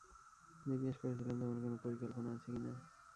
জিজ্ঞাস করেছিলাম তোমার কোনো পরিকল্পনা আছে কি না।